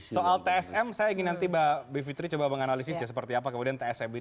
soal tsm saya ingin nanti mbak bivitri coba menganalisis ya seperti apa kemudian tsm ini